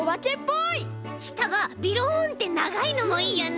したがベロンってながいのもいいよね。